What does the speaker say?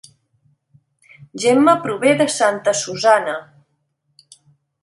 Gemma prové de Santa Susanna